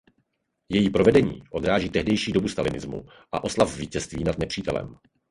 Její provedení odráží tehdejší dobu stalinismu a oslav vítězství nad nepřítelem.